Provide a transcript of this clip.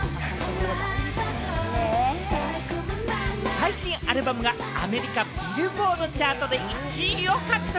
配信アルバムがアメリカ・ビルボード・チャートで１位を獲得。